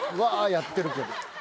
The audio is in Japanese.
やってるけど。